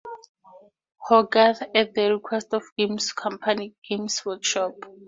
Hogarth at the request of games company Games Workshop.